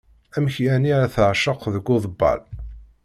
Amek yeɛni ara teɛceq deg uḍebbal!